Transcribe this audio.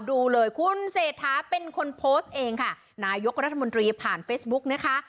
ดูเลยคุณเศรษฐาเป็นคนโพสต์เองค่ะนายกรัฐมนตรีผ่านเฟซบุ๊กนะคะ